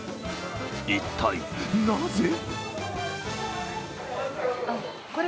一体なぜ？